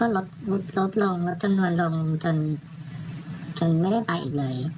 ลดลงลดจำนวนลงจนไม่ได้ไปอีกเลย